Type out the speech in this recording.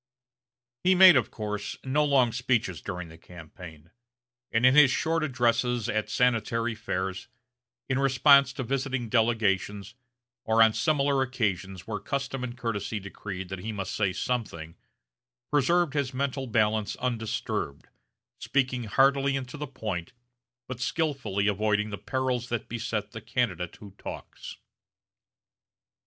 He made, of course, no long speeches during the campaign, and in his short addresses, at Sanitary Fairs, in response to visiting delegations, or on similar occasions where custom and courtesy decreed that he must say something, preserved his mental balance undisturbed, speaking heartily and to the point, but skilfully avoiding the perils that beset the candidate who talks.